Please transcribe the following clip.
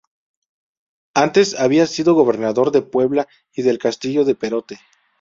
Antes, había sido gobernador de Puebla y del Castillo de Perote.